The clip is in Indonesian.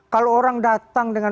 kalau orang datang dengan